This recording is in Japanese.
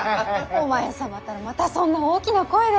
お前様ったらまたそんな大きな声で。